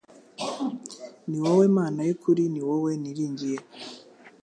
ni wowe mana y ukuri niwowe niringiye